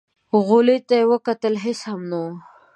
غولي ته يې وکتل، هېڅ هم نه و.